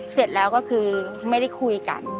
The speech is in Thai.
เสร็จแล้วก็คือไม่ได้คุยกัน